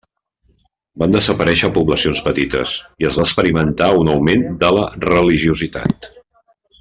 Van desaparèixer poblacions petites i es va experimentar un augment de la religiositat.